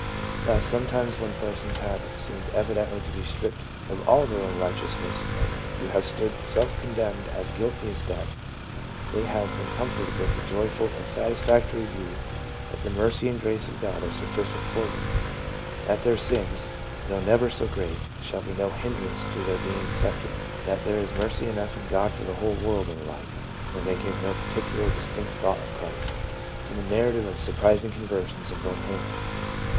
Thus sometimes when persons have seemed evidently to be stripped of all their own righteousness and to have stood self condemned as guilty of death, they have been comforted with a joyful and satisfactory view that the mercy and grace of God are sufficient for them ; that their sins, though never so great, shall be no hindrance to their being accepted ; that there is mercy enough in God for the whole world, and the like, when they give no particular or dis tinct thought of Christ." (From a " Narrative of Surprising Conversions in Northampton.")